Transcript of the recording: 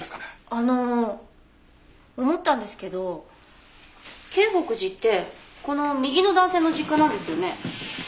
あの思ったんですけど京北寺ってこの右の男性の実家なんですよね？